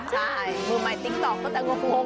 ใช่มือใหม่ติ๊กต๊อกก็จะงง